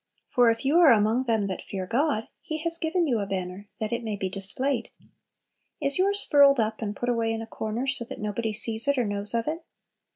For if you are among "them that fear" God, He has given you a banner "that it may be displayed." Is yours furled up and put away in a corner, so that nobody sees it or knows of it?